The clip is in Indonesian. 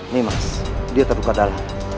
ini mas dia terluka dalam